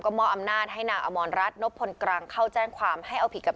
มอบอำนาจให้นางอมรรัฐนบพลกรังเข้าแจ้งความให้เอาผิดกับ